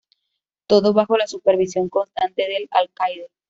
Todo bajo la supervisión constante del alcaide.